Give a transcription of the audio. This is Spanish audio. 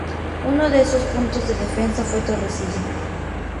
Uno de esos puntos de defensa fue Torrecilla.